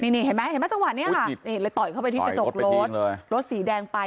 นี่เห็นไหมจังหวะนี้ค่ะต่อยเข้าไปที่ตระจกรถรถสีแดงไป